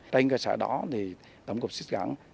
trên cơ sở đó tổng cục xích gắn